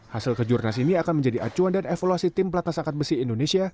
hasil kejurnas ini akan menjadi acuan dan evaluasi tim pelatnas angkat besi indonesia